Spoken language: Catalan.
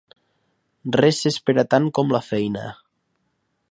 Res s'espera tant com la feina.